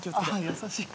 優しい。